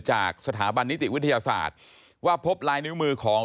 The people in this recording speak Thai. จากสถาบันนิติวิทยาศาสตร์ว่าพบลายนิ้วมือของ